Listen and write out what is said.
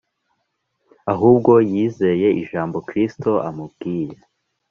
Ahubwo yizeye ijambo Kristo amubwiye